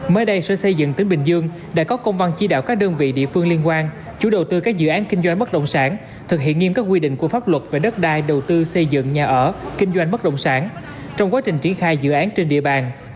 mới đây sở xây dựng tỉnh bình dương đã có công văn chỉ đạo các đơn vị địa phương liên quan chủ đầu tư các dự án kinh doanh bất động sản thực hiện nghiêm các quy định của pháp luật về đất đai đầu tư xây dựng nhà ở kinh doanh bất động sản trong quá trình triển khai dự án trên địa bàn